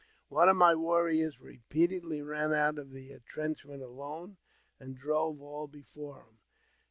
One of my warriors repeatedly ran out of the entrenchment alone, and drove all before him.